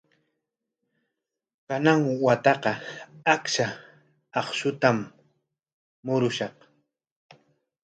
Kanan wataqa achka akshutam murushaq.